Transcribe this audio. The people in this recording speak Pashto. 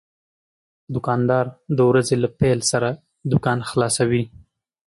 دوکاندار د ورځې له پېل سره دوکان خلاصوي.